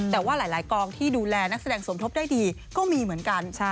แต่ว่าหลายกองที่ดูแลนักแสดงสมทบได้ดีก็มีเหมือนกัน